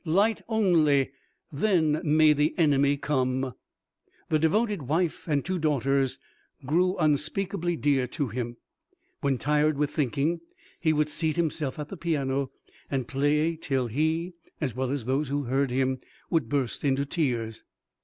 light only, then may the enemy come!" The devoted wife and two daughters grew unspeakably dear to him. When tired with thinking, he would seat himself at the piano, and play till he, as well as those who heard him, would burst into tears.